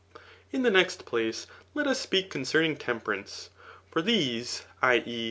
In the next place, let us speak concerning temperance f for these [i. e.